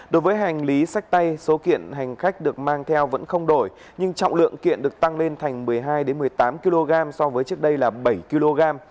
đối với hành lý sách tay số kiện hành khách được mang theo vẫn không đổi nhưng trọng lượng kiện được tăng lên thành một mươi hai một mươi tám kg so với trước đây là bảy kg